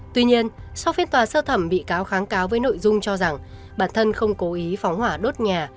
tuy nhiên sau phiên tòa sơ thẩm bị cáo kháng cáo với nội dung cho rằng bản thân không cố ý phóng hỏa đốt nhà